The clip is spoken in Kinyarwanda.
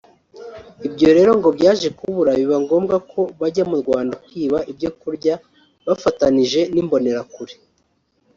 ibyo rero ngo byaje kubura bibangombwa ko bajya mu Rwanda kwiba ibyo kurya bafatanije n’imbonerakure